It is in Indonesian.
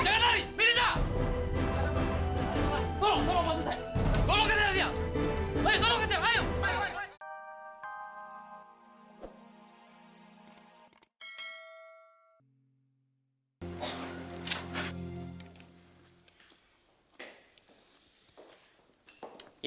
aku lagi kelaperan re